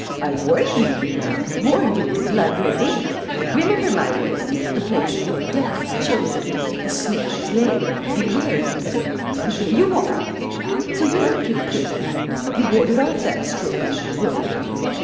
I warned you, you know, warned you in blood red ink. Remember my words: 'The place of your death is chosen. The snare is laid. Beware, Lupin!' And here you are! So you're not in prison? You warded off that stroke, you rogue, you!